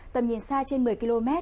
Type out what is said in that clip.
tầm nhìn xa trên một mươi km